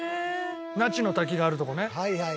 那智の滝があるとこね。